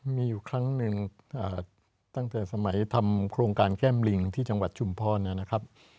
มีอยู่ครั้งหนึ่งตั้งแต่สมัยทำโครงการแก้มลิงที่จังหวัดชุมพรนะครับ